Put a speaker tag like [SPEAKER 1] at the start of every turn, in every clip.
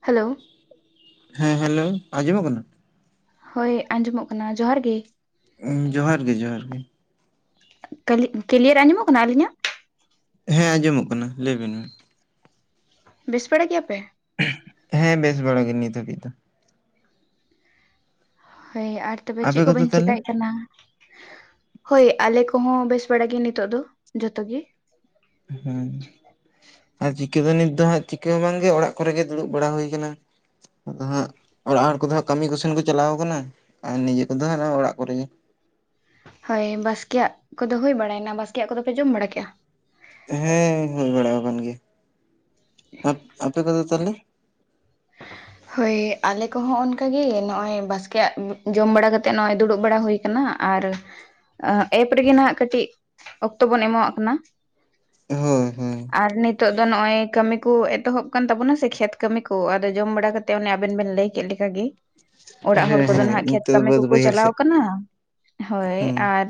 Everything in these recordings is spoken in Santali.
[SPEAKER 1] ᱦᱮᱞᱳ
[SPEAKER 2] ᱦᱮᱸ ᱦᱮᱞᱳ ᱟᱸᱡᱚᱢᱚᱜ ᱠᱟᱱᱟ?
[SPEAKER 1] ᱦᱳᱭ ᱟᱸᱡᱚᱢᱚᱜ ᱠᱟᱱᱟ ᱡᱚᱦᱟᱨ ᱜᱤ
[SPEAKER 2] ᱡᱚᱦᱟᱨ ᱜᱮ ᱡᱚᱦᱟᱨ ᱜᱮ᱾
[SPEAKER 1] ᱠᱟᱹᱞᱤ ᱠᱞᱤᱭᱟᱨ ᱟᱸᱡᱚᱢᱚᱜ ᱠᱟᱱᱟ ᱟ. ᱞᱤᱧᱟᱜ?
[SPEAKER 2] ᱦᱮᱸ ᱟᱸᱡᱚᱢᱚᱜ ᱠᱟᱱᱟ ᱞᱟᱹᱭ ᱵᱤᱱ
[SPEAKER 1] ᱵᱮᱥ ᱵᱟᱲᱟ ᱜᱮᱭᱟᱯᱮ
[SPEAKER 2] ᱦᱮᱸ ᱵᱮᱥ ᱵᱟᱲᱚᱜ ᱜᱮ ᱱᱤᱛ ᱦᱟᱹᱵᱤᱡ ᱫᱚ
[SPEAKER 1] ᱦᱳᱭ ᱟᱨ ᱛᱚᱵᱮ
[SPEAKER 2] ᱟᱯᱮ
[SPEAKER 1] ᱪᱮᱫ
[SPEAKER 2] ᱠᱚᱫᱚ
[SPEAKER 1] ᱠᱚᱵᱮᱱ
[SPEAKER 2] ᱛᱟᱦᱚᱞᱮ?
[SPEAKER 1] ᱪᱤᱠᱟᱭᱮᱫ ᱠᱟᱱᱟ ᱦᱳᱭ ᱟᱞᱮ ᱠᱚᱦᱚᱸ ᱵᱮᱥ ᱵᱟᱲᱟ ᱜᱮ ᱱᱤᱛᱳᱜ ᱫᱚ ᱡᱚᱛᱚ ᱜᱮ
[SPEAKER 2] ᱦᱩ ᱟᱨ ᱪᱤᱠᱟᱹ ᱫᱚ ᱱᱤᱛ ᱫᱚ ᱦᱟᱸᱜ ᱪᱤᱠᱟᱹ ᱦᱚᱸ ᱵᱟᱝᱜᱮ ᱚᱲᱟᱜ ᱠᱚᱨᱮ ᱜᱮ ᱫᱩᱲᱩᱵ ᱵᱟᱲᱟ ᱦᱩᱭ ᱟᱠᱟᱱᱟ ᱟᱫᱚ ᱦᱟᱸᱜ ᱚᱲᱟᱜ ᱦᱚᱲ ᱠᱚᱫᱚ ᱦᱟᱸᱜ ᱠᱟᱹᱢᱤ ᱠᱚᱥᱮᱱ ᱠᱚ ᱪᱟᱞᱟᱣ ᱟᱠᱟᱱᱟ ᱟᱨ ᱱᱤᱡᱮ ᱠᱚᱫᱚ ᱦᱟᱸᱜ ᱚᱲᱟᱜ ᱠᱚᱨᱮ ᱜᱤ
[SPEAKER 1] ᱦᱳᱭ ᱵᱟᱥᱠᱮᱭᱟᱜ ᱠᱚᱫᱚ ᱦᱩᱭᱳ ᱵᱟᱲᱟᱭᱱᱟ ᱵᱟᱥᱠᱮᱭᱟᱜ ᱠᱚᱫᱚᱯᱮ ᱡᱚᱢ ᱵᱟᱲᱟ ᱠᱮᱜᱼᱟ?
[SPEAKER 2] ᱦᱮᱸ ᱦᱩᱭ ᱵᱟᱲᱟ ᱟᱠᱟᱱ ᱜᱮᱭᱟ ᱟᱯᱮ ᱠᱚᱫᱚ ᱛᱟᱦᱚᱞᱮ ᱦ [inaudible]
[SPEAKER 1] ᱦᱳᱭ ᱟᱞᱮ ᱠᱚᱦᱚᱸ ᱚᱱᱠᱟ ᱜᱮ ᱱᱚᱜᱼᱚᱭ ᱵᱟᱥᱠᱮᱭᱟᱜ ᱡᱚᱢ ᱵᱟᱲᱟ ᱠᱟᱛᱮ ᱱᱚᱜᱼᱚᱭ ᱫᱩᱲᱩᱵ ᱵᱟᱲᱟ ᱦᱩᱭ ᱟᱠᱟᱱᱟ ᱟᱨ ᱮᱯ ᱨᱮᱜᱮ ᱱᱟᱷᱟᱜ ᱠᱟᱹᱴᱤᱡ ᱚᱠᱛᱚ ᱵᱚᱱ ᱮᱢᱟᱣᱟᱜ ᱠᱟᱱᱟ
[SPEAKER 2] ᱦᱳᱭ ᱦᱳᱭ
[SPEAKER 1] ᱟᱨ ᱱᱤᱛᱳᱜ ᱫᱚ ᱱᱚᱜᱼᱚᱭ ᱠᱟᱹᱢᱤ ᱠᱚ ᱮᱛᱚᱦᱚᱵ ᱠᱟᱱ ᱛᱟᱵᱚᱱᱟ ᱥᱮ ᱠᱷᱮᱛ ᱠᱟᱹᱢᱤ ᱠᱚ ᱠᱚ ᱟᱫᱚ ᱡᱚᱢ ᱵᱟᱲᱟ ᱠᱟᱛᱮ ᱚᱱᱮ ᱟᱵᱮᱱ ᱵᱮᱱ ᱞᱟᱹᱭ ᱠᱮᱫ ᱞᱮᱠᱟᱜᱤ ᱚᱲᱟᱜ ᱦᱚᱲ
[SPEAKER 2] ᱦᱮᱸ
[SPEAKER 1] ᱠᱚᱫᱚ
[SPEAKER 2] ᱦᱮᱸ
[SPEAKER 1] ᱱᱟᱦᱟᱜ ᱠᱷᱮᱛ
[SPEAKER 2] ᱱᱤᱛᱚᱜ ᱫᱚ
[SPEAKER 1] ᱠᱟᱹᱢᱤ
[SPEAKER 2] ᱵᱟᱹᱫ
[SPEAKER 1] ᱠᱚᱠᱚ
[SPEAKER 2] ᱵᱟᱹᱭᱦᱟᱹᱲ
[SPEAKER 1] ᱪᱟᱞᱟᱣ
[SPEAKER 2] ᱥᱮᱫ
[SPEAKER 1] ᱠᱟᱱᱟ ᱦᱳᱭ
[SPEAKER 2] ᱦᱩᱸ
[SPEAKER 1] ᱟᱨ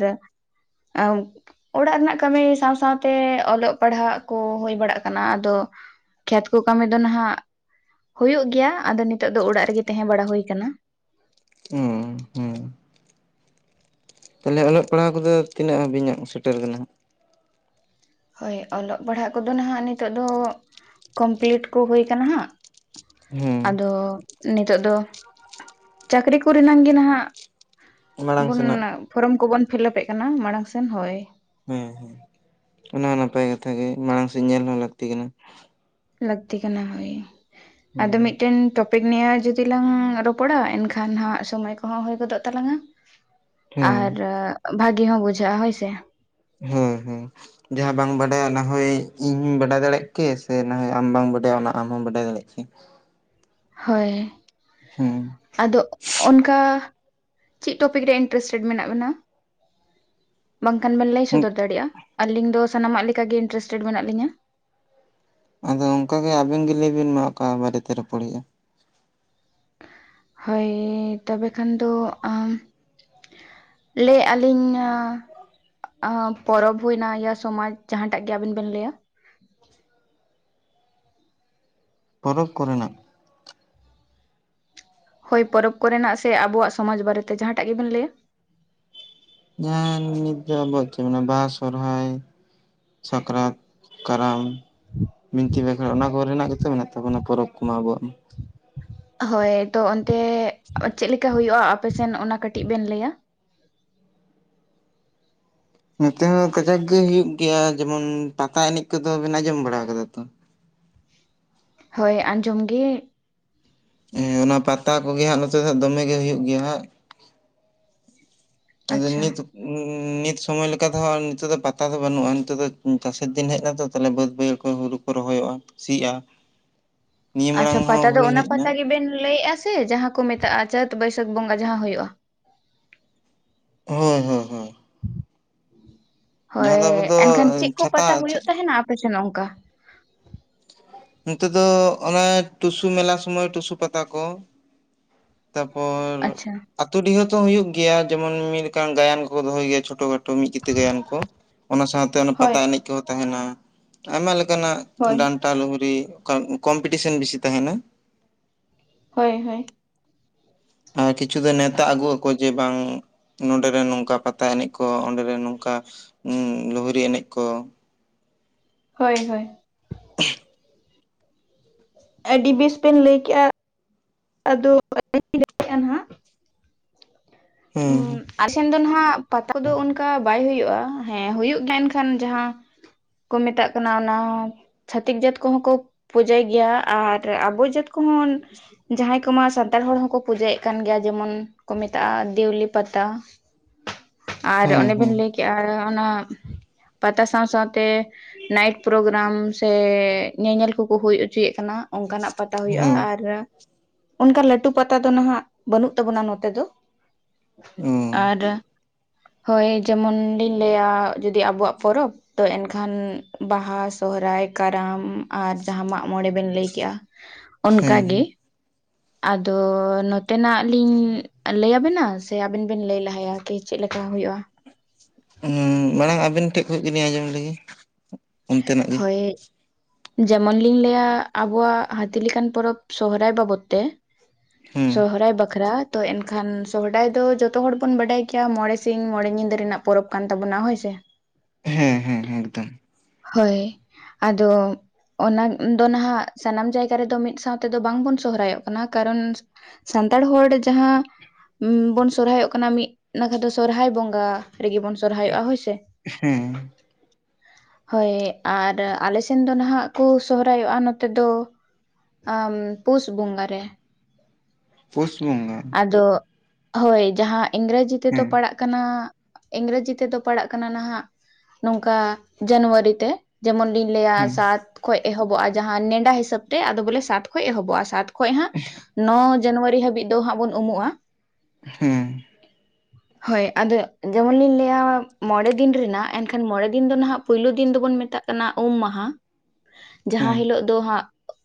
[SPEAKER 1] ᱟᱵ [unintelligible] ᱚᱲᱟᱜ ᱨᱮᱱᱟᱜ ᱠᱟᱹᱢᱤ ᱥᱟᱶ ᱥᱟᱶᱟᱛᱮ ᱚᱞᱚᱜ ᱯᱟᱲᱦᱟᱜ ᱠᱚ ᱦᱩᱭ ᱵᱟᱲᱟᱜ ᱠᱟᱱᱟ ᱟᱫᱚ ᱠᱷᱮᱛ ᱠᱚ ᱠᱟ. ᱢᱤ ᱫᱚ ᱱᱟᱦᱟᱜ ᱦᱩᱭᱩᱜ ᱜᱮᱭᱟ ᱟᱫᱚ ᱱᱤᱛᱚᱜ ᱫᱚ ᱚᱲᱟᱜ ᱨᱮᱜᱮ ᱛᱟᱦᱮᱸ ᱵᱟᱲᱟ ᱦᱳᱭᱟᱠᱟᱱᱟ
[SPEAKER 2] ᱦᱩᱸ ᱦᱮᱸ ᱛᱟᱦᱚᱞᱮ ᱚᱞᱚᱜ ᱯᱟᱲᱦᱟᱣ ᱠᱚᱫᱚ ᱛᱤᱱᱟᱹᱜ ᱦᱟᱹᱵᱤᱡ ᱥᱮᱴᱮᱨ ᱠᱟᱱᱟ ᱦᱟᱸᱜ
[SPEAKER 1] ᱦᱳᱭ ᱚᱞᱚᱜ ᱯᱟᱲᱦᱟᱜ ᱠᱚᱫᱚ ᱱᱟᱦᱜ ᱱᱤᱛᱚᱜ ᱫᱚ ᱠᱚᱢᱯᱞᱤᱴ ᱠᱚ ᱦᱩᱭ ᱠᱟᱱᱟ ᱦᱟᱸᱜ
[SPEAKER 2] ᱦᱮᱸ
[SPEAKER 1] ᱟᱫᱚ ᱱᱤᱛᱚᱜᱜ ᱫᱚ ᱪᱟᱹᱠᱨᱤ ᱠᱚᱨᱮᱱᱟᱝ ᱜᱮ ᱱᱟᱦᱟᱜ
[SPEAKER 2] ᱢᱟᱲᱟᱝ
[SPEAKER 1] ᱵᱚᱱ
[SPEAKER 2] ᱥᱮᱱᱟᱜ
[SPEAKER 1] ᱯᱷᱨᱚᱢ ᱠᱚᱵᱚᱱ ᱯᱷᱤᱞᱟᱯᱮᱫ ᱠᱟᱱᱟ ᱢᱟᱲᱟᱝ ᱥᱮᱱ ᱦᱳᱭ
[SPEAKER 2] ᱦᱮᱸ ᱦᱮᱸ ᱚᱱᱟ ᱦᱚᱸ ᱱᱟᱯᱟᱭ ᱠᱟᱛᱷᱟ ᱜᱮ ᱢᱟᱲᱟᱝ ᱥᱮᱫ ᱧᱮᱞ ᱦᱚᱸ ᱞᱟᱹᱠᱛᱤ ᱠᱟᱱᱟ
[SPEAKER 1] ᱞᱟᱹᱠᱛᱤ ᱠᱟᱱᱟ ᱦᱳᱭ ᱟᱫᱚ
[SPEAKER 2] ᱦᱩᱸ
[SPEAKER 1] ᱢᱤᱫᱴᱮᱱ ᱴᱚ ᱯᱤᱠ ᱱᱤᱭᱟᱹ ᱡᱩᱫᱤ ᱞᱟᱝ ᱨᱚᱯᱚᱲᱟ ᱮᱱᱠᱷᱟᱱ ᱦᱟᱸᱜ ᱥᱚᱢᱚᱭ ᱠᱚᱦᱚᱸ ᱦᱩᱭ ᱜᱚᱫᱚᱜ ᱛᱟᱞᱟᱝᱼᱟ
[SPEAKER 2] ᱦᱮᱸ
[SPEAKER 1] ᱟᱨ ᱵᱷᱟᱹᱜᱮ ᱦᱚᱸ ᱵᱩᱡᱷᱟᱹᱜᱼᱟ ᱦᱳᱭᱥᱮ
[SPEAKER 2] ᱦᱮᱸ ᱦᱮᱸ ᱡᱟᱦᱟᱸ ᱵᱟᱝ ᱵᱟᱰᱟᱭᱟ ᱚᱱᱟᱦᱳᱭ ᱤᱧ ᱵᱟᱰᱟᱭ ᱫᱟᱲᱮᱭᱟᱜ ᱠᱮ ᱥᱮ ᱱᱟ ᱟᱢ ᱵᱟᱢ ᱵᱟᱰᱟᱭᱟ ᱚᱱᱟ ᱟᱢ ᱦᱚᱢ ᱵᱟᱰᱟᱭ ᱫᱟᱲᱮᱭᱟᱜ ᱠᱮ
[SPEAKER 1] ᱦᱳᱭ
[SPEAKER 2] ᱦᱮᱸ
[SPEAKER 1] ᱟᱫᱚ ᱚᱱᱠᱟ ᱪᱮᱫ ᱴᱚᱯᱤᱠ ᱨᱮ ᱤᱱᱴᱟᱨᱮᱥᱴᱮᱰ ᱢᱮᱱᱟᱜ ᱵᱤᱱᱟ
[SPEAKER 2] [inaudible]
[SPEAKER 1] ᱵᱟᱝᱠᱷᱟᱱ ᱵᱮᱱ ᱞᱟᱹᱭ ᱥᱚᱫᱚᱨ ᱫᱟᱲᱮᱭᱟᱜᱼᱟ ᱟᱹᱞᱤᱧ ᱫᱚ ᱥᱟᱱᱟᱢᱟᱜ ᱞᱮᱠᱟᱜᱮ ᱤᱱᱴᱟᱨᱮᱥᱴᱮᱰ ᱢᱮᱱᱟᱜ ᱞᱤᱧᱟ
[SPEAKER 2] ᱟᱫᱚ ᱚᱱᱠᱟᱜᱮ ᱟᱵᱤᱱ ᱜᱮ ᱞᱟᱹᱭ ᱵᱤᱱ ᱢᱟ ᱚᱠᱟ ᱵᱟᱨᱮᱛᱮ ᱨᱚᱯᱚᱲ ᱦᱩᱭᱩᱜᱼᱟ
[SPEAKER 1] ᱦᱳᱭ ᱛᱚᱵᱮ ᱠᱷᱟᱱ ᱫᱚ ᱟᱢ ᱞᱟᱹᱭᱮᱫ ᱟᱹᱞᱤᱧ ᱯᱚᱨᱚᱵᱽ ᱦᱩᱭᱱᱟ ᱭᱟ ᱥᱚᱢᱟᱡ ᱡᱟᱦᱟᱸᱴᱟᱜ ᱜᱮ ᱟᱵᱤᱱ ᱵᱤᱱ ᱞᱟᱹᱭᱟ
[SPEAKER 2] ᱯᱚᱨᱚᱵᱽ ᱠᱚᱨᱮᱱᱟᱜ
[SPEAKER 1] ᱦᱳᱭ ᱯᱚᱨᱚᱵᱽ ᱠᱚᱨᱮᱱᱟᱜ ᱥᱮ ᱟᱵᱚᱣᱟᱜ ᱥᱚᱢᱟᱡᱽ ᱵᱟᱨᱮᱛᱮ ᱡᱟᱦᱟᱸᱴᱟᱜ ᱜᱮᱵᱮᱱ ᱞᱟᱹᱭᱟ
[SPEAKER 2] ᱡᱟᱦᱟᱸ ᱱᱤᱛ ᱫᱚ ᱟᱵᱚᱣᱟᱜ ᱪᱮᱫ ᱵᱟᱦᱟ ᱥᱚᱷᱚᱨᱟᱭ ᱥᱟᱠᱨᱟᱛ ᱠᱟᱨᱟᱢ ᱵᱤᱱᱛᱤ ᱵᱟᱠᱷᱮᱬ ᱚᱱᱟ ᱠᱚᱨᱮᱱᱟᱜ ᱜᱮᱛᱚ ᱢᱮᱱᱟᱜ ᱛᱟᱵᱚᱱᱟ ᱯᱚᱨᱚᱵᱽ ᱠᱚᱢᱟ ᱟᱵᱚᱣᱟᱜ ᱢᱟ
[SPEAKER 1] ᱦᱳᱭ ᱛᱚ ᱚᱱᱛᱮ ᱪᱮᱫ ᱞᱮᱠᱟ ᱦᱳᱭᱳᱜᱼᱟ ᱟᱯᱮᱥᱱ ᱚᱱᱟ ᱠᱟᱹᱴᱤᱡ ᱵᱮᱱ ᱞᱟᱹᱭᱟ
[SPEAKER 2] ᱱᱚᱛᱮ ᱦᱚᱸ ᱠᱟᱡᱟᱠ ᱜᱮ ᱦᱳᱭᱳᱜ ᱜᱮᱭᱟ ᱡᱮᱢᱚᱱ ᱯᱟᱛᱟ ᱮᱱᱮᱡ ᱠᱚᱫᱚ ᱵᱮᱱ ᱟᱸᱡᱚᱢ ᱵᱟᱲᱟ ᱠᱟᱫᱟ ᱛᱚ
[SPEAKER 1] ᱦᱳᱭ ᱟᱸᱡᱚᱢ ᱜᱮ
[SPEAKER 2] ᱦᱮᱸ ᱚᱱᱟ ᱯᱟᱛᱟ ᱠᱚᱜᱮ ᱦᱟᱸᱜ ᱱᱚᱛᱮ ᱫᱚ ᱦᱟᱸᱜ ᱫᱚᱢᱮ ᱜᱮ ᱦᱩᱭᱩᱜ ᱜᱮᱭᱟ ᱦᱟᱸᱜ ᱟᱫᱚ
[SPEAKER 1] ᱟᱪᱪᱷᱟ
[SPEAKER 2] ᱱᱤᱛ ᱱᱤᱛ ᱥᱚᱢᱚᱭ ᱞᱮᱠᱟ ᱛᱮᱦᱚᱸ ᱱᱤᱛᱚᱜ ᱫᱚ ᱯᱟᱛᱟ ᱫᱚ ᱵᱟᱹᱱᱩᱜᱼᱟ ᱱᱤᱛᱚᱜ ᱫᱚ ᱪᱟᱥᱮᱨ ᱫᱤᱱ ᱦᱮᱡ ᱮᱱᱟ ᱛᱚ ᱛᱟᱦᱮ ᱵᱟᱹᱫ ᱵᱟᱹᱭᱦᱟᱹᱲ ᱦᱩᱲᱩ ᱠᱚ ᱨᱚᱦᱚᱭᱚᱜᱼᱟ ᱥᱤᱜᱼᱟ ᱱᱤᱭᱟᱹ ᱢᱟᱲᱟᱝ
[SPEAKER 1] ᱟᱪᱪᱷᱟ
[SPEAKER 2] ᱦᱚᱸ
[SPEAKER 1] ᱯᱟᱛᱟ ᱫᱚ
[SPEAKER 2] ᱦᱩᱭ
[SPEAKER 1] ᱚᱱᱟ
[SPEAKER 2] ᱦᱮᱡ ᱮᱱᱟ
[SPEAKER 1] ᱯᱟᱛᱟ ᱜᱮᱵᱤᱱ ᱞᱟᱹᱭᱮ ᱟᱥᱮ ᱡᱟᱦᱟᱸ ᱠᱚ ᱢᱮᱛᱟᱜᱼᱟ ᱪᱟᱹᱛ ᱵᱟᱹᱭᱥᱟᱹᱠ ᱵᱚᱸᱜᱟ ᱡᱟᱦᱟᱸ ᱦᱩᱭᱩᱜᱼᱟ
[SPEAKER 2] ᱦᱳᱭ ᱦᱳᱭ ᱦᱳᱭ ᱡᱟᱦᱟᱸ
[SPEAKER 1] ᱦᱳᱭ
[SPEAKER 2] ᱫᱚ ᱟᱵᱚ ᱫᱚ
[SPEAKER 1] ᱮᱱᱠᱷᱟᱱ ᱪᱮᱫ ᱠᱚ
[SPEAKER 2] ᱪᱷᱟᱛᱟ
[SPEAKER 1] ᱯᱟᱛᱟ ᱦᱩᱭᱩᱜ ᱛᱟᱦᱮᱱᱟ ᱟᱯᱮ ᱥᱮᱱ ᱚᱱᱠᱟ
[SPEAKER 2] ᱱᱚᱛᱮ ᱫᱚ ᱚᱱᱮ ᱴᱩᱥᱩ ᱢᱮᱞᱟ ᱥᱚᱢᱚᱭ ᱴᱩᱥᱩ ᱯᱟᱛᱟ ᱠᱚ ᱛᱟᱯᱚᱨ
[SPEAKER 1] ᱟᱪᱪᱷᱟ?
[SPEAKER 2] ᱟᱛᱳ ᱰᱤᱦᱟᱹ ᱛᱚ ᱦᱳᱭᱳᱜ ᱜᱮᱭᱟ ᱡᱮᱢᱚᱱ ᱢᱤᱫ ᱞᱮᱠᱟᱱ ᱜᱟᱭᱟᱱ ᱠᱚᱠᱚ ᱫᱚᱦᱚᱭ ᱜᱮᱭᱟ ᱪᱷᱳᱴᱳ ᱠᱷᱟᱴᱳ ᱢᱤᱫ ᱠᱤᱛᱟᱹ ᱜᱟᱭᱟᱱ ᱠᱚ ᱚᱱᱟ ᱥᱟᱶᱛᱮ ᱚᱱᱟ
[SPEAKER 1] ᱦᱳᱭ
[SPEAKER 2] ᱯᱟᱛᱟ ᱮᱱᱮᱡ ᱠᱚᱦᱚᱸ ᱛᱟᱦᱮᱱᱟ ᱟᱭᱢᱟ ᱞᱮᱠᱟᱱᱟᱜ
[SPEAKER 1] ᱦᱳᱭ
[SPEAKER 2] ᱰᱟᱱᱴᱟ ᱞᱩᱜᱦᱽᱲᱤ ᱚᱱᱠᱟ ᱠᱚᱢᱯᱤᱴᱤᱥᱚᱱ ᱵᱮᱥᱤ ᱛᱟᱦᱮᱱᱟ
[SPEAKER 1] ᱦᱳᱭ ᱦᱳᱭ
[SPEAKER 2] ᱦᱮᱸ ᱠᱤᱪᱷᱩ ᱫᱚ ᱱᱮᱶᱛᱟ ᱟᱹᱜᱩ ᱟᱠᱚ ᱡᱮ ᱵᱟᱝ ᱱᱚᱰᱮ ᱨᱮᱱ ᱱᱚᱝᱠᱟ ᱯᱟᱛᱟ ᱮᱱᱮᱡ ᱠᱚ ᱚᱸᱰᱮ ᱨᱮᱱ ᱱᱚᱝᱠᱟ ᱞᱩᱦᱤᱨᱤ ᱮᱱᱮᱡ ᱠᱚ
[SPEAKER 1] ᱦᱳᱭ ᱦᱳᱭ
[SPEAKER 2] [inaudible]
[SPEAKER 1] ᱟᱹᱰᱤ ᱵᱮᱥ ᱵᱤᱱ ᱞᱟᱹᱭ ᱠᱮᱜᱼᱟ ᱟᱫᱚ [inaudible] ᱱᱟᱦᱟᱜ
[SPEAKER 2] ᱦᱮᱸ
[SPEAKER 1] ᱟᱞᱮᱥᱮᱱ ᱫᱚ ᱦᱟᱸᱜ ᱯᱟᱛᱟ ᱠᱚᱫᱚ ᱚᱱᱠᱟ ᱵᱟᱭ ᱦᱩᱭᱩᱜᱼᱟ ᱦᱮᱸ ᱦᱩᱭᱩᱜ ᱜᱮᱭᱟ ᱮᱱ ᱠᱷᱟᱱ ᱡᱟᱦᱟᱸ ᱠᱚ ᱢᱮᱛᱟᱜ ᱠᱟᱱᱟ ᱚᱱᱟ ᱪᱷᱟᱹᱛᱤᱠ ᱡᱟᱹᱛ ᱠᱚᱦᱚᱸ ᱠᱚ ᱯᱩᱡᱟᱹᱭ ᱜᱮᱭᱟ ᱟᱨ ᱟᱵᱚ ᱡᱟᱹᱛ ᱦᱚᱸ ᱡᱟᱦᱟᱸᱭ ᱠᱚᱢᱟ ᱥᱟᱱᱛᱟᱲ ᱦᱚᱲ ᱦᱚᱸᱠᱚ ᱯᱩᱡᱟᱹᱭᱮ ᱠᱟᱱ ᱜᱮᱭᱟ ᱡᱮᱢᱚᱱ ᱠᱚ ᱢᱮᱛᱟᱜᱼᱟ ᱫᱮᱣᱞᱤ ᱯᱟᱛᱟ ᱟᱨ
[SPEAKER 2] ᱦᱮᱸ
[SPEAKER 1] ᱚᱱᱮ ᱵᱤᱱ
[SPEAKER 2] ᱦᱮᱸ
[SPEAKER 1] ᱞᱟᱹᱭ ᱠᱮᱜᱼᱟ ᱚᱱᱟ ᱯᱟᱛᱟ ᱥᱟᱶ ᱥᱟᱶᱛᱮ ᱱᱟᱭᱤᱴ ᱯᱨᱳᱜᱨᱟᱢ ᱥᱮ ᱧᱮᱧᱮᱞ ᱠᱚᱠᱚ ᱦᱩᱭ ᱚᱪᱚᱭᱮᱜ ᱠᱟᱱᱟ ᱚᱱᱠᱟᱱᱟᱜ ᱯᱟᱛᱟ ᱦᱩᱭᱩᱜᱼᱟ
[SPEAKER 2] ᱦᱮᱸ
[SPEAKER 1] ᱟᱨ ᱚᱱᱠᱟ ᱞᱟᱹᱴᱩ ᱯᱟᱛᱟ ᱫᱚ ᱱᱟᱦᱟᱜ ᱵᱟᱹᱱᱩᱜ ᱛᱟᱵᱚᱱᱟ ᱱᱚᱛᱮ ᱫᱚ
[SPEAKER 2] ᱦᱮᱸ
[SPEAKER 1] ᱟᱨ ᱦᱳᱭ ᱡᱮᱢᱚᱱ ᱞᱤᱧ ᱞᱟᱹᱭᱟ ᱡᱩᱫᱤ ᱟᱵᱚᱣᱟᱜ ᱯᱚᱨᱚᱵᱽ ᱛᱚ ᱮᱱ ᱠᱷᱟᱱ ᱵᱟᱦᱟ ᱥᱚᱦᱚᱨᱟᱭ ᱠᱟᱨᱟᱢ ᱟᱨ ᱡᱟᱦᱟᱸ ᱢᱟᱜ ᱢᱚᱬᱮ ᱵᱮᱱ ᱞᱟᱹᱭ ᱠᱮᱜᱼᱟ
[SPEAKER 2] [inaudible]
[SPEAKER 1] ᱚᱱᱠᱟ ᱜᱮ ᱟᱫᱚ ᱱᱚᱛᱮᱱᱟᱜ ᱞᱤᱧ ᱞᱟᱹᱭᱟ ᱵᱤᱱᱟ ᱥᱮ ᱟᱵᱤᱱ ᱵᱤᱱ ᱞᱟᱹᱭ ᱞᱟᱦᱟᱭᱟ ᱠᱤ ᱪᱮᱫ ᱞᱮᱠᱟ ᱦᱩᱭᱩᱜᱼᱟ
[SPEAKER 2] ᱩᱸ ᱢᱟᱲᱟᱝ ᱟᱹᱵᱤᱱ ᱴᱷᱮᱱ ᱠᱷᱚᱡ ᱜᱮᱞᱤᱧ ᱟᱸᱡᱚᱢ ᱞᱮᱜᱮ ᱚᱱᱛᱮᱱᱟᱜ ᱜᱮ
[SPEAKER 1] ᱦᱳᱭ ᱡᱮᱢᱚᱱ ᱞᱤᱧ ᱞᱟᱹᱭᱟ ᱟᱵᱚᱣᱟᱜ ᱦᱟᱹᱛᱤ ᱞᱮᱠᱟᱱ ᱯᱚᱨᱚᱵᱽ ᱥᱚᱦᱚᱨᱟᱭ ᱵᱟᱵᱚᱛ ᱛᱮ
[SPEAKER 2] ᱦᱮᱸ
[SPEAKER 1] ᱥᱚᱦᱚᱨᱟᱭ ᱵᱟᱠᱷᱨᱟ ᱛᱚ ᱮᱱ ᱠᱷᱟᱱ ᱥᱚᱦᱚᱰᱟᱭ ᱫᱚ ᱡᱚᱛᱚ ᱦᱚᱲ ᱵᱚᱱ ᱵᱟᱰᱟᱭ ᱜᱮᱭᱟ ᱢᱚᱬᱮ ᱥᱤᱧ ᱢᱚᱬᱮ ᱧᱤᱫᱟᱹ ᱨᱮᱱᱟᱜ ᱯᱚᱨᱚᱵᱽ ᱠᱟᱱ ᱛᱟᱵᱚᱱᱟ ᱦᱳᱭ ᱥᱮ
[SPEAKER 2] ᱦᱮᱸ ᱦᱮᱸ ᱮᱠᱫᱚᱢ
[SPEAKER 1] ᱦᱳᱭ ᱟᱫᱚ ᱚᱱᱟ ᱫᱚ ᱱᱟᱦᱟᱜ ᱥᱟᱱᱟᱢ ᱡᱟᱭᱜᱟ ᱨᱮᱫᱚ ᱢᱤᱫ ᱥᱟᱶᱛᱮ ᱫᱚ ᱵᱟᱝ ᱵᱚᱱ ᱥᱚᱦᱚᱨᱟᱭ ᱚᱜ ᱠᱟᱱᱟ ᱠᱟᱨᱚᱱ ᱥᱟᱱᱛᱟᱲ ᱦᱚᱲ ᱨᱮ ᱡᱟᱦᱟᱸ ᱵᱚᱱ ᱥᱚᱨᱦᱟᱭᱚᱜ ᱠᱟᱱᱟ ᱢᱤᱫ ᱱᱟᱠᱷᱟ ᱫᱚ ᱥᱚᱨᱦᱟᱭ ᱵᱚᱸᱜᱟ ᱨᱮᱜᱮ ᱵᱚᱱ ᱥᱚᱨᱦᱟᱭᱚᱜᱼᱟ ᱦᱳᱭ ᱥᱮ
[SPEAKER 2] ᱦᱮᱸ
[SPEAKER 1] ᱦᱳᱭ ᱟᱨ ᱟᱞᱮ ᱥᱮᱱ ᱫᱚ ᱱᱟᱦᱟᱜ ᱠᱩ ᱥᱚᱦᱚᱨᱟᱭ ᱚᱜᱼᱟ ᱱᱚᱛᱮ ᱫᱚ ᱟᱸᱢ ᱯᱩᱥ ᱵᱚᱸᱜᱟ ᱨᱮ
[SPEAKER 2] ᱯᱳᱥ ᱵᱚᱸᱜᱟ
[SPEAKER 1] ᱟᱫᱚ ᱦᱳᱭ ᱡᱟᱦᱟᱸ ᱤᱝᱨᱮᱡᱤ
[SPEAKER 2] ᱦᱮᱸ
[SPEAKER 1] ᱛᱮᱫᱚ ᱯᱟᱲᱟᱜ ᱠᱟᱱᱟ ᱤᱝᱨᱮᱡᱤ ᱛᱮᱫᱚ ᱯᱟᱲᱟᱜ ᱠᱟᱱᱟ ᱱᱟᱦᱟᱜ ᱱᱚᱝᱠᱟ ᱡᱟᱱᱩᱣᱟᱨᱤ ᱛᱮ ᱡᱮᱢᱚᱱ ᱞᱤᱧ ᱞᱟᱹᱭᱟ
[SPEAKER 2] ᱦᱮᱸ
[SPEAKER 1] ᱥᱟᱛ ᱠᱷᱚᱡ ᱮᱦᱚᱵᱚᱜᱼᱟ ᱡᱟᱦᱟᱸ ᱱᱮᱰᱟ ᱦᱤᱥᱟᱹᱵ ᱛᱮ ᱟᱫᱚ ᱵᱚᱞᱮ ᱥᱟᱛ ᱠᱷᱚᱡ ᱮᱦᱚᱵᱚᱜᱼᱟ ᱥᱟᱛ ᱠᱷᱚᱡ ᱦᱟᱸᱜ ᱱᱚ ᱡᱟᱱᱩᱣᱟᱨᱤ ᱦᱟᱹᱵᱤᱡ ᱫᱚ ᱦᱟᱸᱜ ᱵᱚᱱ ᱩᱢᱩᱜᱼᱟ
[SPEAKER 2] ᱦᱮᱸ
[SPEAKER 1] ᱦᱳᱭ ᱟᱫᱚ ᱡᱮᱢᱚᱱ ᱞᱤᱧ ᱞᱟᱹᱭᱟ ᱢᱚᱬᱮ ᱫᱤᱱ ᱨᱮᱱᱟᱜ ᱮᱱ ᱠᱷᱟᱱ ᱢᱚᱬᱮ ᱫᱤᱱ ᱫᱚ ᱱᱟᱦᱟᱜ ᱯᱩᱭᱞᱩ ᱫᱤᱱ ᱫᱚᱵᱚᱱ ᱢᱮᱛᱟᱜ ᱠᱟᱱᱟ ᱩᱢ ᱢᱟᱦᱟ ᱡᱟᱦᱟᱸ
[SPEAKER 2] ᱦᱮᱸ
[SPEAKER 1] ᱦᱤᱞᱳᱜ ᱫᱚ ᱦᱟᱸᱜ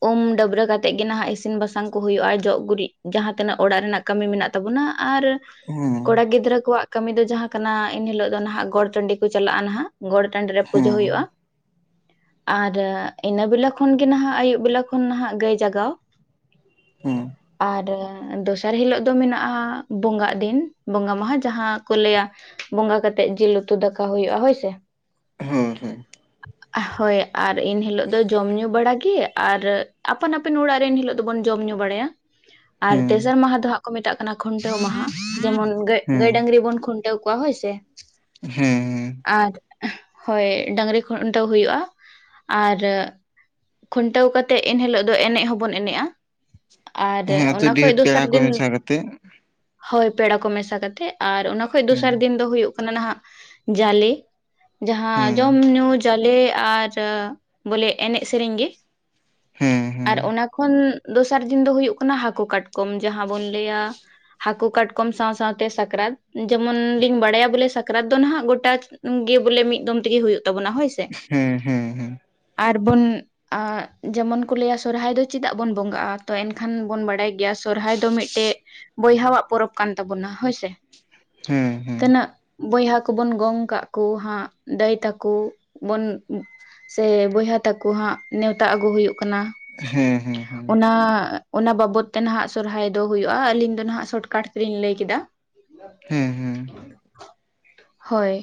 [SPEAKER 1] ᱩᱢ ᱰᱟᱹᱵᱨᱟᱹ ᱠᱟᱛᱮᱜ ᱜᱮ ᱱᱟᱦᱟᱜ ᱤᱥᱤᱱ ᱵᱟᱥᱟᱝ ᱠᱚ ᱦᱩᱭᱩᱜᱼᱟ ᱡᱚᱜ ᱜᱩᱨᱤᱡ ᱡᱟᱦᱟᱸ ᱛᱤᱱᱟᱹᱜ ᱚᱲᱟᱜ ᱨᱮᱱᱟᱜ ᱠᱟᱹᱢᱤ ᱢᱮᱱᱟᱜ ᱛᱟᱵᱚᱱᱟ ᱟᱨ
[SPEAKER 2] ᱦᱮᱸ
[SPEAKER 1] ᱠᱚᱲᱟ ᱜᱤᱫᱽᱨᱟᱹ ᱠᱚᱣᱟᱜ ᱠᱟᱹᱢᱤ ᱫᱚ ᱡᱟᱦᱟᱸ ᱠᱟᱱᱟ ᱮᱱ ᱦᱤᱞᱳᱜ ᱫᱚ ᱱᱟᱦᱟᱜ ᱜᱚᱴ ᱴᱟᱺᱰᱤ ᱠᱚ ᱪᱟᱞᱟᱜᱼᱟ ᱱᱟᱦᱟᱜ ᱜᱚᱲ ᱴᱟᱺᱰᱤ ᱨᱮ ᱯᱩᱡᱟᱹ ᱦᱩᱭᱩᱜᱼᱟ
[SPEAKER 2] ᱦᱮᱸ
[SPEAKER 1] ᱟᱨ ᱤᱱᱟᱹ ᱵᱮᱞᱟ ᱠᱷᱚᱱ ᱜᱮ ᱱᱟᱦᱟᱜ ᱟᱹᱭᱩᱵ ᱵᱮᱞᱟ ᱠᱷᱚᱱ ᱱᱟᱦᱟᱜ ᱜᱟᱹᱭ ᱡᱟᱜᱟᱣ
[SPEAKER 2] ᱦᱮᱸ
[SPEAKER 1] ᱟᱨ ᱫᱚᱥᱟᱨ ᱦᱤᱞᱳᱜ ᱫᱚ ᱢᱮᱱᱟᱜᱼᱟ ᱵᱚᱸᱜᱟᱜ ᱫᱤᱱ ᱵᱚᱸᱜᱟ ᱢᱟᱦᱟ ᱡᱟᱦᱟᱸ ᱠᱚ ᱞᱟᱹᱭᱟ ᱵᱚᱸᱜᱟ ᱠᱟᱛᱮᱜ ᱡᱤᱞ ᱩᱛᱩ ᱫᱟᱠᱟ ᱦᱩᱭᱩᱜᱼᱟ ᱦᱳᱭ ᱥᱮ
[SPEAKER 2] ᱦᱳᱭ ᱦᱳᱭ
[SPEAKER 1] ᱦᱳᱭ ᱟᱨ ᱮᱱ ᱦᱤᱞᱳᱜ ᱫᱚ ᱡᱚᱢ ᱧᱩ ᱵᱟᱲᱟ ᱜᱤ ᱟᱨ ᱟᱯᱟᱱ ᱟᱹᱯᱤᱱ ᱚᱲᱟᱜ ᱨᱮᱱ ᱮᱱ ᱦᱤᱞᱳᱜ ᱫᱚ ᱵᱚᱱ ᱡᱚᱢ ᱧᱩ ᱵᱟᱲᱟᱭᱟ ᱟᱨ
[SPEAKER 2] ᱦᱮᱸ
[SPEAKER 1] ᱛᱮᱥᱟᱨ ᱢᱟᱦᱟ ᱫᱚ ᱦᱟᱸᱜ ᱠᱚ ᱢᱮᱛᱟᱜ ᱠᱟᱱᱟ ᱠᱷᱩᱱᱴᱟᱹᱣ ᱢᱟᱦᱟ ᱡᱮᱢᱚᱱ ᱜᱟᱹᱭ ᱜᱟᱹᱭ
[SPEAKER 2] ᱦᱮᱸ
[SPEAKER 1] ᱰᱟᱝᱨᱤ ᱵᱚᱱ ᱠᱷᱩᱱᱴᱟᱹᱣ ᱠᱚᱣᱟ ᱦᱳᱭ ᱥᱮ
[SPEAKER 2] [inaudible] ᱦᱮᱸ ᱮᱸ
[SPEAKER 1] ᱟᱨ ᱦᱳᱭ ᱰᱟᱝᱨᱤ ᱠᱷᱩᱱᱴᱟᱹᱣ ᱦᱩᱭᱩᱜᱼᱟ ᱟᱨ ᱠᱷᱩᱱᱴᱟᱹᱣ ᱠᱟᱛᱮᱜ ᱮᱱᱦᱤᱞᱳᱜ ᱫᱚ ᱮᱱᱮᱡ ᱦᱚᱸᱵᱚᱱ ᱮᱱᱮᱡᱼᱟ ᱟᱨ
[SPEAKER 2] ᱦᱮᱸ ᱟᱹᱛᱩ
[SPEAKER 1] ᱚᱱᱟ ᱠᱷᱚᱡ
[SPEAKER 2] ᱰᱤᱦᱟᱹᱛ
[SPEAKER 1] ᱫᱚᱥᱟᱨ
[SPEAKER 2] ᱯᱮᱲᱟ ᱠᱚ
[SPEAKER 1] ᱫᱤᱱ
[SPEAKER 2] ᱢᱮᱥᱟ ᱠᱟᱛᱮᱜ
[SPEAKER 1] ᱦᱳᱭ ᱯᱮᱲᱟ ᱠᱚ ᱢᱮᱥᱟ ᱠᱟᱛᱮᱜ ᱟᱨ ᱚᱱᱟ ᱠᱷᱚᱱᱚᱡ
[SPEAKER 2] ᱦᱮᱸ
[SPEAKER 1] ᱫᱚᱥᱟᱨ ᱫᱤᱱ ᱫᱚ ᱦᱩᱭᱩᱜ ᱠᱟᱱᱟ ᱱᱟᱦᱟᱜ ᱡᱟᱞᱮ ᱡᱟᱦᱟᱸ
[SPEAKER 2] ᱦᱮᱸ
[SPEAKER 1] ᱡᱚᱢ ᱧᱩ ᱡᱟᱞᱮ ᱟᱨ ᱵᱚᱞᱮ ᱮᱱᱮᱡ ᱥᱮᱨᱮᱧ ᱜᱮ
[SPEAKER 2] ᱦᱮᱸ ᱦᱮᱸ
[SPEAKER 1] ᱟᱨ ᱚᱱᱟ ᱠᱷᱚᱱ ᱫᱚᱥᱟᱨ ᱫᱤᱱ ᱫᱚ ᱦᱩᱭᱩᱜ ᱠᱟᱱᱟ ᱦᱟᱹᱠᱩ ᱠᱟᱴᱠᱚᱢ ᱡᱟᱦᱟᱸ ᱵᱚᱱ ᱞᱟᱹᱭᱟ ᱦᱟᱹᱠᱩ ᱠᱟᱴᱠᱚᱢ ᱥᱟᱶ ᱥᱟᱶᱛᱮ ᱥᱟᱠᱨᱟᱛ ᱡᱮᱢᱚᱱ ᱞᱤᱧ ᱵᱟᱲᱟᱭᱟ ᱵᱚᱞᱮ ᱥᱟᱠᱨᱟᱛ ᱫᱚ ᱱᱟᱦᱟᱜ ᱜᱚᱴᱟ ᱜᱮ ᱵᱚᱞᱮ ᱢᱤᱫ ᱫᱚᱢ ᱛᱮᱜᱮ ᱦᱩᱭᱩᱜ ᱛᱟᱵᱚᱱᱟ ᱦᱳᱭ ᱥᱮ
[SPEAKER 2] ᱦᱮᱸ ᱦᱮᱸ ᱦᱮᱸ
[SPEAKER 1] ᱟᱨᱵᱚᱱ ᱟᱨ ᱡᱮᱢᱚᱱ ᱠᱚ ᱞᱟᱹᱭᱟ ᱥᱚᱨᱦᱟᱭ ᱫᱚ ᱪᱮᱫᱟᱜ ᱵᱚᱱ ᱵᱚᱸᱜᱟᱜᱼᱟ ᱛᱚ ᱮᱱᱠᱷᱟᱱ ᱵᱚᱱ ᱵᱟᱰᱟᱭ ᱜᱮᱭᱟ ᱥᱚᱨᱦᱟᱭ ᱫᱚ ᱢᱤᱫᱴᱮᱡ ᱵᱚᱭᱦᱟᱣᱟᱜ ᱯᱚᱨᱚᱵᱽ ᱠᱟᱱ ᱛᱟᱵᱚᱱᱟ ᱦᱳᱭᱥᱮ
[SPEAKER 2] ᱦᱮᱸ ᱦᱮᱸ ᱦᱮᱸ
[SPEAKER 1] ᱛᱤᱱᱟᱹᱜ ᱵᱚᱭᱦᱟ ᱠᱚᱵᱚᱱ ᱜᱚᱝ ᱠᱟᱜ ᱠᱚ ᱦᱟᱸᱜ ᱫᱟᱹᱭ ᱛᱟᱠᱚ ᱵᱚᱱ ᱥᱮ ᱵᱚᱭᱦᱟ ᱛᱟᱠᱚ ᱦᱟᱸᱜ ᱱᱮᱣᱛᱟ ᱟᱹᱜᱩ ᱦᱩᱭᱩᱜ ᱠᱟᱱᱟ
[SPEAKER 2] ᱦᱮᱸ ᱦᱮᱸ
[SPEAKER 1] ᱚᱱᱟ ᱚᱱᱟ ᱵᱟᱵᱚᱛ ᱛᱮ ᱱᱟᱦᱟᱜ ᱥᱚᱨᱦᱟᱭ ᱫᱚ ᱦᱩᱭᱩᱜᱼᱟ ᱟᱞᱤᱧ ᱫᱚ ᱱᱟᱦᱟᱜ ᱥᱚᱨᱚᱴᱠᱟᱴ ᱛᱮᱞᱤᱧ ᱞᱟᱹᱭᱠᱮᱫᱟ
[SPEAKER 2] ᱦᱮᱸ ᱦᱮᱸ
[SPEAKER 1] ᱦᱳᱭ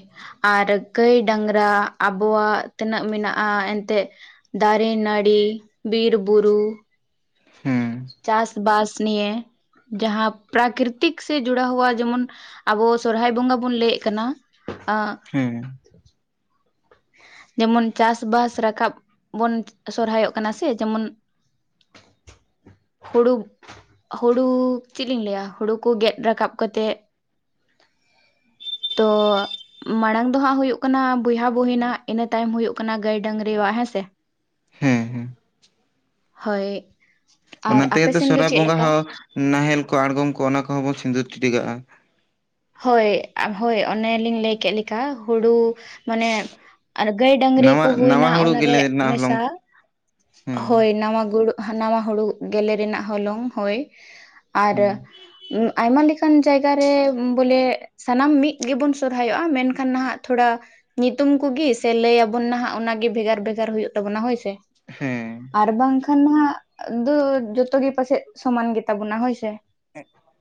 [SPEAKER 1] ᱟᱨ ᱜᱟᱹᱭ ᱰᱟᱝᱨᱟ ᱟᱵᱚᱣᱟᱜ ᱛᱤᱱᱟᱹᱜ ᱢᱮᱱᱟᱜᱼᱟ ᱮᱱᱛᱮᱫ ᱫᱟᱨᱮ ᱱᱟᱹᱲᱤ ᱵᱤᱨ ᱵᱩᱨᱩ
[SPEAKER 2] ᱦᱮᱸ
[SPEAKER 1] ᱪᱟᱥᱵᱟᱥ ᱱᱤᱭᱮ ᱡᱟᱦᱟᱸ ᱯᱨᱟᱠᱨᱤᱛᱤᱠ ᱥᱮ ᱡᱩᱚᱲᱟᱣ ᱦᱩᱣᱟ ᱡᱮᱢᱚᱱ ᱟᱵᱚ ᱥᱚᱨᱦᱟᱭ ᱵᱚᱸᱜᱟ ᱵᱚᱱ ᱞᱟᱹᱭᱮᱫ ᱠᱟᱱᱟ ᱮ
[SPEAKER 2] ᱦᱮᱸ
[SPEAKER 1] ᱡᱮᱢᱚᱱ ᱪᱟᱥᱵᱟᱥ ᱨᱟᱠᱟᱵ ᱵᱚᱱ ᱥᱚᱨᱦᱟᱭᱚᱜ ᱠᱟᱱᱟ ᱥᱮ ᱡᱮᱢᱚᱱ ᱦᱩᱲᱳᱩ ᱦᱩᱲᱩ ᱪᱮᱫ ᱞᱤᱧ ᱞᱟᱹᱭᱟ ᱦᱩᱲᱩ ᱠᱚ ᱜᱮᱫ ᱨᱟᱠᱟᱵ ᱠᱟᱛᱮ ᱛᱚ ᱢᱟᱲᱟᱝ ᱫᱚ ᱦᱟᱸᱜ ᱦᱩᱭᱩᱜ ᱠᱟᱱᱟ ᱵᱚᱭᱦᱟ ᱵᱩᱦᱤᱱᱟᱜ ᱤᱱᱟᱹ ᱛᱟᱭᱱᱚᱢ ᱦᱩᱭᱩᱜ ᱠᱟᱱᱟ ᱜᱟᱹᱭ ᱰᱟᱺᱝᱨᱤᱭᱟᱜ ᱦᱮᱸᱥᱮ
[SPEAKER 2] ᱦᱮᱸ ᱦᱮᱸ
[SPEAKER 1] ᱦᱳᱭ ᱟᱨ
[SPEAKER 2] ᱚᱱᱟ
[SPEAKER 1] ᱟᱯᱮ
[SPEAKER 2] ᱛᱮᱜ
[SPEAKER 1] ᱥᱮᱱ ᱫᱚ
[SPEAKER 2] ᱥᱚᱨᱦᱟᱭ
[SPEAKER 1] ᱪᱮᱫ
[SPEAKER 2] ᱵᱚᱸᱜᱟ
[SPEAKER 1] ᱞᱮᱠᱟ
[SPEAKER 2] ᱦᱚᱸ ᱱᱟᱦᱮᱞ ᱠᱚ ᱟᱬᱜᱚᱢ ᱠᱚ ᱚᱱᱟ ᱠᱚᱦᱚᱸ ᱵᱚᱱ ᱥᱤᱸᱫᱩᱨ ᱴᱤᱰᱤᱜᱟᱜᱼᱟ
[SPEAKER 1] ᱦᱳᱭ ᱦᱳᱭ ᱚᱱᱮᱞᱤᱧ ᱞᱟᱹᱭ ᱠᱮᱫ ᱞᱮᱠᱟ ᱦᱩᱲᱩ ᱢᱟᱱᱮ ᱟᱨ ᱜᱟᱹᱭ ᱰᱟᱺᱝᱨᱤ
[SPEAKER 2] ᱱᱟᱣᱟ
[SPEAKER 1] ᱠᱚ ᱦᱩᱭᱱᱟ
[SPEAKER 2] ᱱᱟᱣᱟ ᱦᱩᱲᱩ
[SPEAKER 1] ᱚᱱᱟᱨᱮ
[SPEAKER 2] ᱜᱮᱞᱮ ᱨᱮᱱᱟᱜ ᱦᱚᱞᱚᱝ
[SPEAKER 1] ᱢᱮᱥᱟ
[SPEAKER 2] ᱦᱮᱸ
[SPEAKER 1] ᱦᱳᱭ ᱱᱟᱣᱟ ᱜᱩᱲᱩ ᱱᱟᱣᱟ ᱦᱩᱲᱩ ᱜᱮᱞᱮ ᱨᱮᱱᱟᱜ ᱦᱚᱞᱚᱝ ᱦᱳᱭ ᱟᱨ
[SPEAKER 2] ᱦᱮᱸ
[SPEAKER 1] ᱟᱭᱢᱟ ᱞᱮᱠᱟᱱ ᱡᱟᱭᱜᱟᱨᱮ ᱵᱚᱞᱮ ᱥᱟᱱᱟᱢ ᱢᱤᱫ ᱜᱮᱵᱚᱱ ᱥᱚᱨᱦᱟᱭᱚᱜᱼᱟ ᱢᱮᱱᱠᱷᱟᱱ ᱱᱟᱦᱟᱜ ᱛᱷᱚᱲᱟ ᱧᱩᱛᱩᱢ ᱠᱚᱜᱮ ᱥᱮ ᱞᱟᱹᱭ ᱟᱵᱚᱱ ᱱᱟᱦᱟᱜ ᱚᱱᱟᱜᱤ ᱵᱷᱮᱜᱟᱨ ᱵᱷᱮᱜᱟᱨ ᱦᱩᱭᱩᱜ ᱛᱟᱵᱚᱱᱟ ᱦᱳᱭᱥᱮ
[SPEAKER 2] ᱦᱮᱸ
[SPEAKER 1] ᱟᱨ ᱵᱟᱝᱠᱷᱟᱱ ᱱᱟᱦᱟᱜ, ᱫᱚ ᱡᱚᱛᱚ ᱜᱮ ᱯᱟᱪᱮᱡ ᱥᱚᱢᱟᱱ ᱜᱮᱛᱟᱵᱚᱱᱟ ᱦᱳᱭᱥᱮ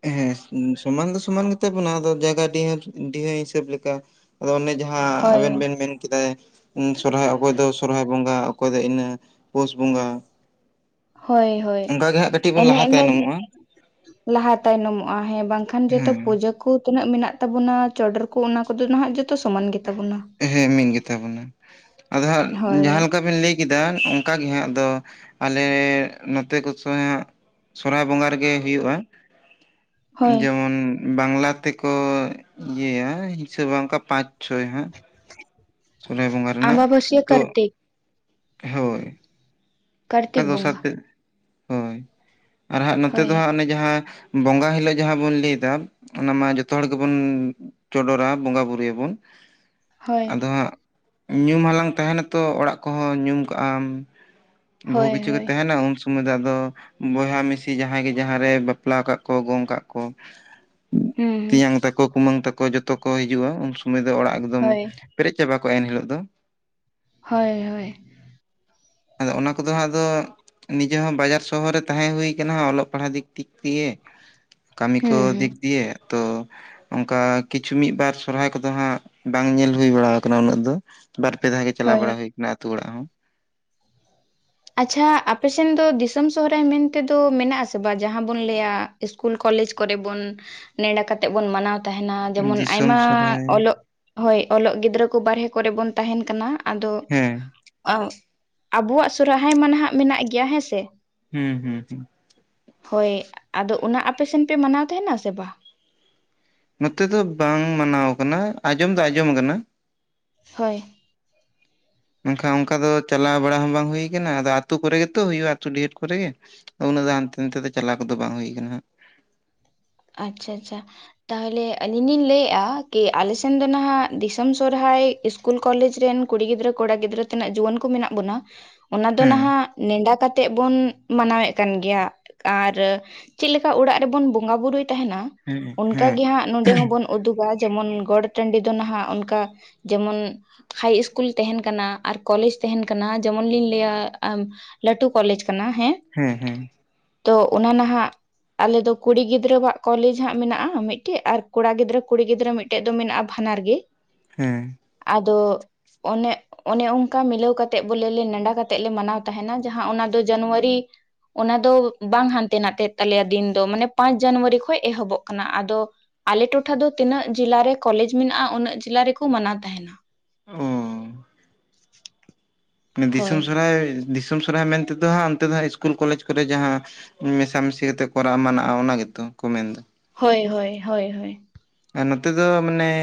[SPEAKER 2] ᱦᱮᱸ ᱥᱚᱢᱟᱱ ᱫᱚ ᱥᱚᱢᱟᱱ ᱜᱮᱛᱟ ᱵᱚᱱᱟ, ᱟᱫᱚ ᱡᱟᱭᱜᱟ ᱰᱤᱦᱟᱹ, ᱰᱤᱦᱟᱹ ᱦᱤᱥᱟᱹᱵ ᱞᱮᱠᱟ ᱟᱫᱚ ᱚᱱᱮ ᱡᱟᱦᱟᱸᱻ
[SPEAKER 1] ᱦᱳᱭ
[SPEAKER 2] ᱟᱵᱮᱱ ᱵᱮᱱ ᱢᱮᱱ ᱠᱮᱫᱟ ᱥᱚᱨᱦᱟᱭ ᱚᱠᱚᱭ ᱫᱚ ᱥᱚᱨᱦᱟᱭ ᱵᱚᱸᱜᱟ ᱚᱠᱚᱭ ᱫᱚ ᱤᱱᱟᱹ ᱯᱩᱥ ᱵᱚᱸᱜᱟ
[SPEAKER 1] ᱦᱳᱭ ᱦᱳᱭ
[SPEAKER 2] ᱚᱱᱠᱟ ᱜᱮ ᱦᱟᱸᱜ ᱠᱟᱹᱴᱤᱡ ᱵᱚᱱ
[SPEAKER 1] ᱚᱱᱮ
[SPEAKER 2] ᱞᱟᱦᱟ
[SPEAKER 1] ᱤᱱᱟᱹ
[SPEAKER 2] ᱛᱟᱭᱱᱚᱢᱚᱜᱼᱟ
[SPEAKER 1] ᱞᱟᱦᱟ ᱛᱟᱭᱱᱚᱢᱚᱜᱼᱟ ᱦᱮᱸ ᱵᱟᱝᱠᱷᱟᱱ ᱡᱚᱛᱚ
[SPEAKER 2] ᱦᱮᱸ
[SPEAKER 1] ᱯᱩᱡᱟᱹ ᱠᱚ ᱛᱤᱱᱟᱹᱜ ᱢᱮᱱᱟᱜ ᱛᱟᱵᱚᱱᱟ ᱪᱚᱰᱚᱨ ᱠᱚ ᱚᱱᱟ ᱠᱚᱫᱚ ᱱᱟᱦᱟᱜ ᱡᱚᱛᱚ ᱥᱚᱢᱟᱱ ᱜᱮᱛᱟᱵᱚᱱᱟ
[SPEAKER 2] ᱦᱮᱸ ᱢᱤᱫ ᱜᱮᱛᱟ ᱵᱚᱱᱟ ᱟᱫᱚ ᱦᱟᱸᱜ
[SPEAKER 1] ᱦᱳᱭ
[SPEAKER 2] ᱡᱟᱦᱟᱸ ᱞᱮᱠᱟᱵᱤᱱ ᱞᱟᱹᱭ ᱠᱮᱫᱟ ᱚᱱᱠᱟᱜ ᱜᱮ ᱦᱟᱸᱜ ᱟᱫᱚ ᱟᱞᱮ ᱱᱚᱛᱮ ᱠᱚᱥ ᱦᱟᱸᱜ ᱥᱚᱨᱦᱟᱭ ᱵᱚᱸᱜᱟ ᱨᱮᱜᱮ ᱦᱩᱭᱩᱜᱼᱟ
[SPEAKER 1] ᱦᱳᱭ
[SPEAKER 2] ᱡᱮᱢᱚᱱ ᱵᱟᱝᱞᱟ ᱛᱮᱠᱚ ᱤᱭᱟᱹᱭᱟ ᱦᱤᱥᱟᱹᱵᱟ ᱚᱝᱠᱟ ᱯᱟᱸᱪ ᱪᱷᱚᱭ ᱦᱟᱸᱜ ᱥᱚᱦᱚᱨᱟᱭ ᱵᱚᱸᱜᱟ ᱨᱮᱱᱟᱜ
[SPEAKER 1] ᱟᱢᱵᱟᱵᱟᱹᱥᱭᱟᱹ
[SPEAKER 2] ᱛᱚ
[SPEAKER 1] ᱠᱟᱨᱛᱮ
[SPEAKER 2] ᱚᱱᱠᱟ
[SPEAKER 1] ᱠᱟᱨᱛᱤᱠ
[SPEAKER 2] ᱫᱚᱥᱟᱨ
[SPEAKER 1] ᱵᱚᱸᱜᱟ
[SPEAKER 2] ᱛᱮ ᱦᱳᱭ ᱟᱨ ᱦᱟᱸᱜ ᱱᱚᱛᱮ ᱫᱚ
[SPEAKER 1] ᱦᱳᱭ
[SPEAKER 2] ᱦᱟᱸᱜ ᱚᱱᱮ ᱡᱟᱦᱟᱸ ᱵᱚᱸᱜᱟ ᱦᱤᱞᱳᱜ ᱡᱟᱦᱟᱸ ᱵᱚᱱ ᱞᱟᱹᱭ ᱮᱫᱟ ᱚᱱᱟ ᱢᱟ ᱡᱚᱛᱚ ᱦᱚᱲ ᱜᱮᱵᱚᱱᱻ ᱪᱚᱰᱚᱨᱟ, ᱵᱚᱸᱜᱟ ᱵᱩᱨᱩᱭᱟᱵᱚᱱ
[SPEAKER 1] ᱦᱳᱭ
[SPEAKER 2] ᱟᱫᱚ ᱦᱟᱸᱜ ᱧᱩᱢ ᱦᱟᱞᱟᱝ ᱛᱟᱦᱮᱱᱟᱛᱚ, ᱚᱲᱟᱜ ᱠᱚᱦᱚᱸ ᱧᱩᱢ ᱠᱟᱜᱼᱟᱢ ᱵᱩᱦᱩ
[SPEAKER 1] ᱦᱳᱭ
[SPEAKER 2] ᱠᱤᱪᱷᱩ ᱜᱮ
[SPEAKER 1] ᱦᱳᱭ
[SPEAKER 2] ᱛᱟᱦᱮᱱᱟ ᱩᱱ ᱥᱚᱢ ᱥᱚᱢᱚᱭ ᱫᱚ ᱟᱫᱚ, ᱵᱚᱭᱦᱟ ᱢᱤᱥᱤ ᱡᱟᱦᱟᱸᱭ ᱜᱮ ᱡᱟᱦᱟᱸᱨᱮ ᱵᱟᱯᱞᱟ ᱠᱟᱜ ᱠᱚ ᱜᱚᱝ ᱠᱟᱜ ᱠᱚ
[SPEAKER 1] ᱦᱩᱸ ᱦᱩᱸ
[SPEAKER 2] ᱛᱮᱧᱟᱝ ᱛᱟᱠᱚ, ᱠᱩᱢᱟᱹᱝ ᱛᱟᱠᱚ ᱡᱚᱛᱚ ᱠᱚ ᱦᱤᱡᱩᱜᱼᱟ ᱩᱱᱚᱥᱚᱢᱚᱭ ᱥᱚᱢᱚᱭ ᱫᱚ ᱚᱲᱟᱜ ᱮᱠᱫᱚᱢ
[SPEAKER 1] ᱦᱳᱭ
[SPEAKER 2] ᱯᱮᱨᱮᱡ ᱪᱟᱵᱟ ᱠᱚᱜᱼᱟ, ᱮᱱᱦᱤᱞᱳᱜ ᱫᱚ
[SPEAKER 1] ᱦᱳᱭ ᱦᱳᱭ
[SPEAKER 2] ᱟᱫᱚ ᱚᱱᱟ ᱠᱚᱫᱚ ᱦᱟᱸᱜ ᱫᱚ, ᱱᱤᱡᱮ ᱦᱚᱸ ᱵᱟᱡᱟᱨ ᱥᱚᱦᱚᱨ ᱨᱮ ᱛᱟᱦᱮᱸ ᱦᱩᱭ ᱠᱟᱱᱟ ᱚᱞᱚᱜ ᱯᱟᱲᱦᱟᱜ ᱫᱤᱠ ᱛᱤᱠ ᱛᱮᱜᱮ ᱠᱟᱹᱢᱤ ᱠᱚ
[SPEAKER 1] ᱦᱩᱸ ᱦᱩᱸ
[SPEAKER 2] ᱫᱤᱠ ᱫᱤᱭᱮ ᱛᱚ ᱚᱱᱠᱟ ᱠᱤᱪᱷᱩ ᱢᱤᱫ ᱵᱟᱨ ᱥᱚᱨᱦᱟᱭ ᱠᱚᱫᱚ ᱦᱟᱸᱜ ᱵᱟᱝ ᱧᱮᱞ ᱦᱩᱭ ᱵᱟᱲᱟ ᱟᱠᱟᱱᱟ ᱩᱱᱟᱹᱜ ᱫᱚ ᱵᱟᱨ ᱯᱮ ᱫᱷᱟᱣ ᱜᱮ ᱪᱟᱣ
[SPEAKER 1] ᱦᱳᱭ
[SPEAKER 2] ᱵᱟᱲᱟ ᱦᱩᱭ ᱟᱠᱟᱱᱟ ᱟᱹᱛᱩ ᱚᱲᱟᱜ ᱦᱚᱸ
[SPEAKER 1] ᱟᱪ ᱪᱷᱟ ᱟᱯᱮᱥᱱ ᱫᱚ, ᱫᱤᱥᱚᱢ ᱥᱚᱦᱚᱨᱟᱭ ᱢᱮᱱ ᱛᱮᱫᱚ ᱢᱮᱱᱟᱜ ᱟᱥᱮ ᱵᱟᱝ ᱡᱟᱦᱟᱸ ᱵᱚᱱ ᱞᱟᱹᱭᱟ ᱤᱥᱠᱩᱞ, ᱠᱚᱞᱮᱡᱽ ᱠᱚᱨᱮ ᱵᱚᱱ ᱱᱮᱰᱟ ᱠᱟᱛᱮᱫ ᱵᱚᱱ ᱢᱟᱱᱟᱣ ᱛᱟᱦᱮᱱᱟ ᱡᱮᱢᱚᱱ
[SPEAKER 2] ᱫᱤᱥᱚᱢ
[SPEAKER 1] ᱟᱭᱢᱟᱻ
[SPEAKER 2] ᱥᱚᱨᱦᱟᱭ
[SPEAKER 1] ᱚᱞᱚᱜ ᱦᱳᱭ ᱚᱞᱚᱜ ᱜᱤᱫᱽᱨᱟᱹ ᱠᱚ ᱵᱟᱨᱦᱮ ᱠᱚᱨᱮ ᱵᱚᱱ ᱛᱟᱦᱮᱱ ᱠᱟᱱᱟ ᱟᱫᱚ
[SPEAKER 2] ᱦᱮᱸ
[SPEAKER 1] ᱟᱜ ᱟᱵᱚᱣᱟᱜ ᱥᱚᱨᱦᱟᱭ ᱢᱟ ᱱᱟᱦᱟᱜ ᱢᱮᱱᱟᱜ ᱜᱮᱭᱟ ᱦᱮᱸᱥᱮ
[SPEAKER 2] ᱦᱩᱸ ᱦᱩᱸ ᱦᱩᱸ
[SPEAKER 1] ᱦᱳᱭ, ᱟᱫᱚ ᱚᱱᱟ ᱟᱯᱮᱥᱱ ᱯᱮ ᱢᱟᱱᱟᱣ ᱛᱟᱦᱮᱱᱟ ᱥᱮ ᱵᱟᱝ
[SPEAKER 2] ᱱᱚᱛᱮ ᱫᱚ ᱵᱟᱝ ᱢᱟᱱᱟᱣ ᱠᱟᱱᱟ, ᱟᱸᱡᱚᱢ ᱫᱚ ᱟᱸᱡᱚᱢ ᱠᱟᱱᱟ
[SPEAKER 1] ᱦᱳᱭ
[SPEAKER 2] ᱢᱮᱱᱠᱷᱟᱱ ᱚᱱᱠᱟ ᱫᱚ ᱪᱟᱞᱟᱣ ᱵᱟᱲᱟ ᱦᱚᱸ ᱵᱟᱝ ᱦᱩᱭ ᱠᱟᱱᱟ ᱟᱫᱚ ᱟᱹᱛᱩ ᱠᱚᱨᱮᱜ ᱜᱮᱛᱚ ᱦᱩᱭᱩᱜᱼᱟ, ᱟᱹᱛᱩ ᱰᱤᱦᱚᱛ ᱠᱚᱨᱮᱜ ᱜᱮ ᱩᱱᱟᱹᱜ ᱫᱚ ᱦᱟᱱᱛᱮ ᱱᱟᱛᱮ ᱫᱚ ᱪᱟᱞᱟᱣ ᱠᱚᱫᱚ ᱵᱟᱝ ᱦᱩᱭ ᱟᱠᱟᱱᱟ
[SPEAKER 1] ᱟᱪ ᱪᱷᱟ ᱟᱪ ᱪᱷᱟ ᱛᱟᱦᱚᱞᱮ ᱟᱹᱞᱤᱧ ᱞᱤᱧ ᱞᱟᱹᱭᱮᱼᱟ ᱠᱤ, ᱟᱞᱮ ᱥᱮᱱ ᱫᱚ ᱱᱟᱦᱟᱜ ᱫᱤᱥᱚᱢ ᱥᱚᱨᱦᱟᱭ ᱤᱥᱠᱩᱞ ᱠᱚᱞᱮᱡᱽ ᱨᱤᱱ ᱠᱩᱲᱤ ᱜᱤᱫᱽᱨᱟᱹ ᱠᱚᱲᱟ ᱜᱤᱫᱽᱨᱟᱹ ᱛᱤᱱᱟᱹᱜ ᱡᱩᱣᱟᱹᱱ ᱠᱚ ᱢᱮᱱᱟᱜ ᱵᱚᱱᱟ ᱚᱱᱟ ᱫᱚ
[SPEAKER 2] ᱦᱟᱸᱜ
[SPEAKER 1] ᱱᱟᱦᱟᱜᱻ ᱱᱮᱰᱟ ᱠᱟᱛᱮ ᱛᱮᱫ ᱵᱚᱱ ᱢᱟᱱᱟᱣᱮᱫ ᱠᱟᱱ ᱜᱮᱭᱟ ᱟᱨ ᱪᱮᱫ ᱞᱮᱠᱟ ᱚᱲᱟᱜ ᱨᱮᱵᱚᱱ ᱵᱚᱸᱜᱟ ᱵᱩᱨᱩᱭᱮᱫ ᱛᱮ ᱛᱟᱦᱮᱱᱟ
[SPEAKER 2] ᱦᱮᱸ
[SPEAKER 1] ᱚᱱᱠᱟ
[SPEAKER 2] ᱦᱮᱸ
[SPEAKER 1] ᱜᱮ ᱦᱟᱸᱜ ᱱᱚᱰᱮ ᱦᱚᱸᱵᱚᱱ ᱩᱫᱩᱜᱟ ᱡᱮᱢᱚᱱ ᱜᱚᱴ ᱴᱟᱺᱰᱤ ᱫᱚ ᱱᱟᱦᱟᱜ ᱚᱱᱠᱟ ᱡᱮᱢᱚᱱᱻ ᱦᱟᱭ ᱤᱥᱠᱩᱞ ᱛᱟᱦᱮᱱ ᱠᱟᱱᱟ ᱟᱨ ᱠᱚᱞᱮᱡᱽ ᱛᱟᱦᱮᱱ ᱠᱟᱱᱟ ᱡᱮᱢᱚᱱ ᱞᱤᱧ ᱞᱟᱹᱭᱟᱻ ᱞᱟᱹᱴᱩ ᱠᱚᱞᱮᱡᱽ ᱠᱟᱱᱟ ᱦᱮᱸ
[SPEAKER 2] ᱦᱮᱸ ᱦᱮᱸ
[SPEAKER 1] ᱛᱚ ᱚᱱᱟ ᱱᱟᱦᱟᱜ ᱟᱞᱮᱫᱚ ᱠᱩᱲᱤ ᱜᱤᱫᱽᱨᱟᱹᱣᱟᱜ ᱠᱚᱞᱮᱡᱽ ᱦᱟᱸᱜ ᱢᱮᱱᱟᱜᱼᱟ ᱢᱤᱫ ᱴᱤᱡ ᱟᱨ ᱠᱚᱲᱟ ᱜᱤᱫᱽᱨᱟᱹ ᱠᱩᱲᱤ ᱜᱤᱫᱽᱨᱟᱹ ᱢᱤᱫ ᱴᱤᱡ ᱫᱚ ᱢᱮᱱᱟᱜᱼᱟ ᱵᱟᱱᱟᱨ ᱜᱮ
[SPEAKER 2] ᱦᱮᱸ
[SPEAKER 1] ᱟᱫᱚᱻ ᱚᱱᱮ ᱚᱱᱮ ᱚᱱᱠᱟ ᱢᱤᱞᱟᱹᱣ ᱠᱟᱛᱮᱜ ᱵᱚᱞᱮ ᱱᱮᱰᱟ ᱠᱟᱛᱮᱜ ᱞᱮ ᱢᱟᱱᱟᱣ ᱛᱟᱦᱮᱱᱟ ᱡᱟᱦᱟᱸ ᱚᱱᱟ ᱫᱚ ᱡᱟᱱᱩᱣᱟᱨᱤ ᱚᱱᱟ ᱫᱚ ᱵᱟᱝ ᱦᱟᱱᱛᱮ ᱱᱟᱛᱮᱜ ᱛᱟᱞᱮᱭᱟ ᱫᱤᱱ ᱫᱚ ᱢᱟᱱᱮ ᱯᱟᱸᱪ ᱡᱟᱱᱩᱣᱟᱨᱤ ᱠᱷᱚᱡ ᱮᱦᱚᱵᱚᱜ ᱠᱟᱱᱟ ᱟᱫᱚ, ᱟᱞᱮ ᱴᱚᱴᱷᱟ ᱫᱚ ᱛᱤᱱᱟᱹᱜ ᱡᱤᱞᱟ ᱨᱮ ᱠᱚᱞᱮᱡᱽ ᱢᱤᱱᱟᱜ-ᱟ ᱩᱱᱟᱹᱜ ᱡᱤᱞᱟ ᱨᱮᱠᱚ ᱢᱟᱱᱟᱣ ᱛᱟᱦᱮᱱᱟ᱾
[SPEAKER 2] ᱦᱩᱸ ᱫᱤᱥᱚᱢ
[SPEAKER 1] ᱦᱳᱭ
[SPEAKER 2] ᱥᱚᱨᱦᱟᱭ ᱫᱤᱥᱚᱢ ᱥᱚᱨᱦᱟᱭ ᱢᱮᱱᱛᱮᱫᱚ ᱦᱟᱸᱜ ᱚᱱᱛᱮ ᱫᱚ ᱦᱟᱸᱜ ᱤᱥᱠᱩᱞ ᱠᱚᱞᱮᱡᱽ ᱠᱚᱨᱮ ᱡᱟᱦᱟᱸ ᱢᱮᱥᱟ ᱢᱤᱥᱤ ᱠᱟᱛᱮᱫ ᱠᱚᱨᱟᱜ ᱢᱟᱱᱟᱜᱼᱟ, ᱚᱱᱟ ᱜᱮᱛᱚ ᱠᱚ ᱢᱮᱱᱫᱟ
[SPEAKER 1] ᱦᱚᱭ ᱦᱚᱭ ᱦᱚᱭ ᱦᱚᱭ
[SPEAKER 2] ᱟᱨ ᱱᱚᱛᱮ ᱫᱚ ᱢᱟᱱᱮ